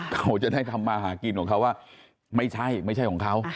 เขาจะได้ทำมาหากินของเขาว่าไม่ใช่ไม่ใช่ของเขา